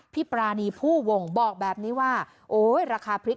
ปรานีผู้วงบอกแบบนี้ว่าโอ๊ยราคาพริก